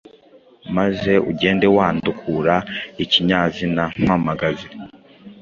maze ugende wandukura ikinyazina mpamagazi,